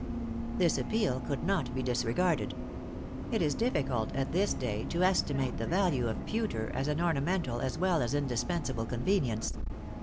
This appeal could not be disregarded. It is difficult at this day to estimate the value of pewter as an ornamental as well as indispensable convenience.